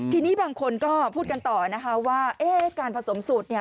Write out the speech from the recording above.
ทีนี้บางคนก็พูดกันต่อว่าการผสมสูตร